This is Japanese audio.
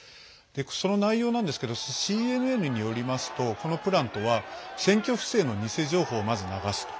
その内容なんですけどＣＮＮによりますとこのプランとは選挙不正の偽情報をまず流すと。